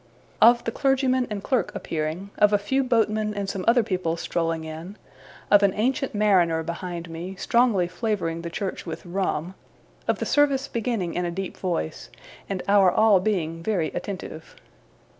Of the clergyman and clerk appearing; of a few boatmen and some other people strolling in; of an ancient mariner behind me, strongly flavouring the church with rum; of the service beginning in a deep voice, and our all being very attentive.